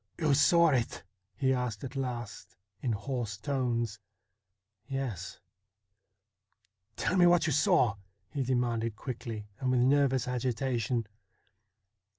' You saw it ?' he asked at last in hoarse tones. 'Yes.' 'Tell me what you saw ?' he demanded quickly and with nervous agitation.